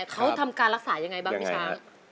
เขาทำการรักษายังไงบ้างพี่ช้าง